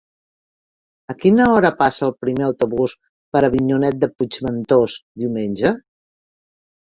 A quina hora passa el primer autobús per Avinyonet de Puigventós diumenge?